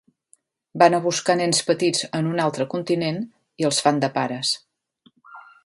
Van a buscar nens petits en un altre continent i els fan de pares.